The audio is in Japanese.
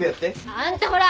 あんたほら！